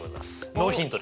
ノーヒントで。